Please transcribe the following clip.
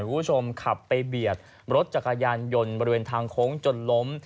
คุณผู้ชมขับไปเบียดรถจักรยานยนต์บริเวณทางโค้งจนล้ม